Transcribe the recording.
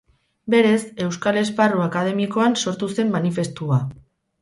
Berez, euskal esparru akademikoan sortu zen manifestua.